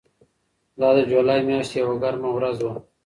دا د جولای میاشتې یوه ګرمه ورځ وه.